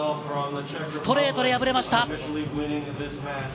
ストレートで敗れました。